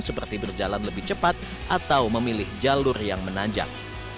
seperti berjalan lebih cepat atau memilih jalur yang menanjak